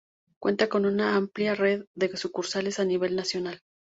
Cuenta con una amplia red de sucursales a nivel nacional.